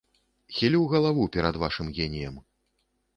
Хілю галаву перад вашым геніем.